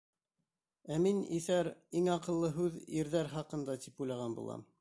Ә мин, иҫәр, иң аҡыллы һүҙ ирҙәр хаҡында, тип уйлаған булам...